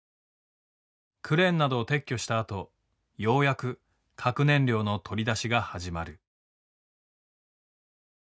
クレーンなどを撤去したあとようやく核燃料の取り出しが始まる。